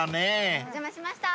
お邪魔しました。